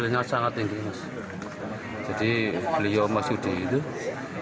jadi beliau masih di hidup